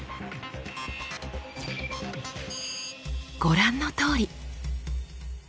ご覧のとおり。